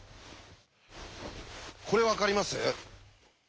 これ分かります？